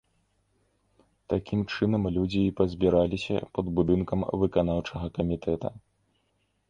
Такім чынам людзі і пазбіраліся пад будынкам выканаўчага камітэта.